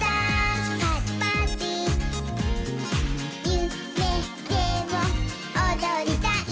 「ゆめでもおどりたい」